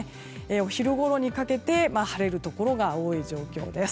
お昼ごろにかけて晴れるところが多い状況です。